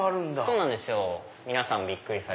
そうなんですよ。